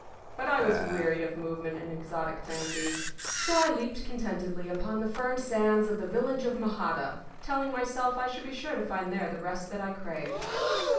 But I was wearied of movement and exotic fancies; so I leaped contentedly upon the firm sands of the village of Mojada, telling myself I should be sure to find there the rest that I craved.